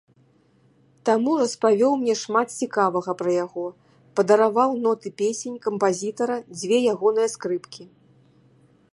Таму распавёў мне шмат цікавага пра яго, падараваў ноты песень кампазітара, дзве ягоных скрыпкі.